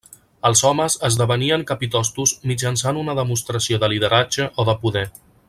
Els homes esdevenien capitostos mitjançant una demostració de lideratge o de poder.